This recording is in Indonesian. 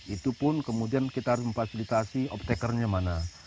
itu pun kemudian kita harus memfasilitasi optakernya mana